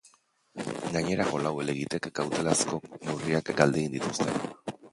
Gainerako lau helegitek kautelazko neurriak galdegin dituzte.